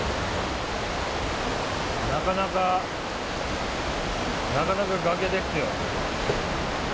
なかなかなかなか崖ですよ。